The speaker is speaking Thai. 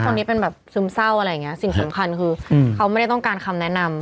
คนนี้เป็นแบบซึมเศร้าอะไรอย่างเงี้สิ่งสำคัญคือเขาไม่ได้ต้องการคำแนะนำ